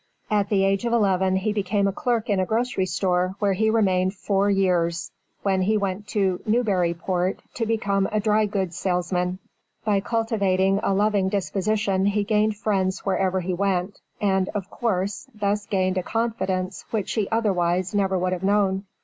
At the age of eleven he became a clerk in a grocery store where he remained four years, when he went to Newburyport to become a dry goods salesman. By cultivating a loving disposition he gained friends wherever he went, and, of course, thus gained a confidence which he otherwise never would have known.